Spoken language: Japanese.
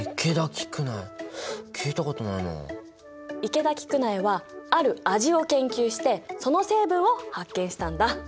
池田菊苗はある味を研究してその成分を発見したんだ。